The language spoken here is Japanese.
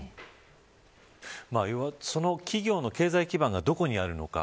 その企業の経済基盤がどこにあるのか。